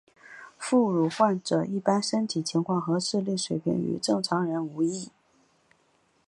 副乳患者一般身体情况和智力水平与正常人无异。